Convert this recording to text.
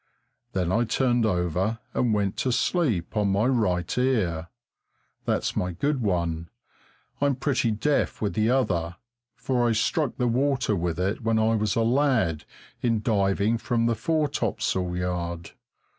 Then I turned over and went to sleep on my right ear. That's my good one; I'm pretty deaf with the other, for I struck the water with it when I was a lad in diving from the foretopsail yard.